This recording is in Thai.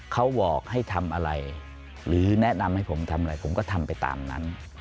เขาบอกให้ทำอะไรหรือแนะนำให้ผมทำอะไรผมก็ทำไปตามนั้น